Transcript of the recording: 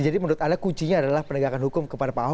jadi menurut anda kuncinya adalah penegakan hukum kepada pak ahok